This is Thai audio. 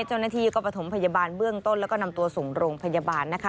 เจ้าหน้าที่ก็ประถมพยาบาลเบื้องต้นแล้วก็นำตัวส่งโรงพยาบาลนะคะ